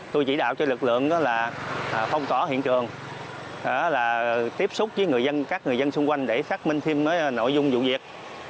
tôi chỉ đạo cho lực lượng là không tỏ hiện trường là tiếp xúc với các người dân xung quanh để phát minh thêm nội dung vụ việc